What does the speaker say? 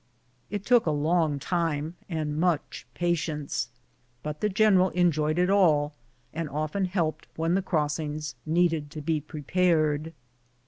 It took a long time and much patience; but the general enjoyed it all, and often helped when the crossings needed to be prepared.